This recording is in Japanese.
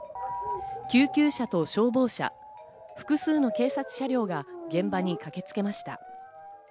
救急車と消防車、複数の警察車両が現場に駆けつけました。